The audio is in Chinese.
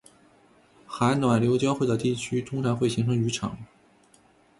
寒暖流交汇的地区通常会形成渔场